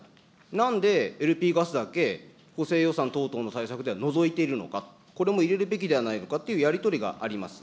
なんでＬＰガスだけ、補正予算等々の対策から除いてるのか、これも入れるべきではないのかというやり取りがあります。